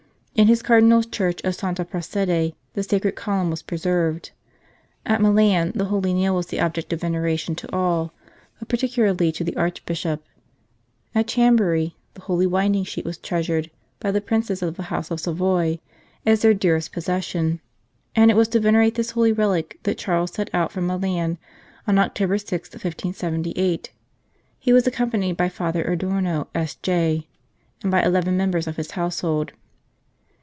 In his Cardinal s church of Santa Prassede the Sacred Column was preserved. At Milan the Holy Nail was the object of venera tion to all, but particularly to the Archbishop. At Chambery the Holy Winding Sheet was treasured by the Princes of the House of Savoy as their dearest possession, and it was to venerate this holy relic that Charles set out from Milan on October 6, 1578. He was accompanied by Father Adorno, S.J., and by eleven members of his household.